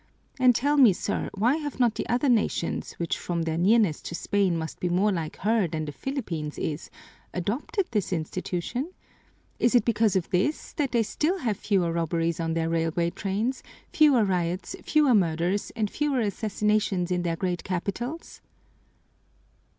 And tell me, sir, why have not the other nations, which from their nearness to Spain must be more like her than the Philippines is, adopted this institution? Is it because of this that they still have fewer robberies on their railway trains, fewer riots, fewer murders, and fewer assassinations in their great capitals?"